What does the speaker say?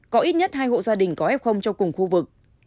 có ít nhất hai hộ gia đình có f cho cùng khu vực